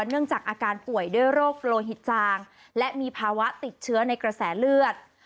เนื่องจากอาการป่วยด้วยโรคโลหิตจางและมีภาวะติดเชื้อในกระแสเลือด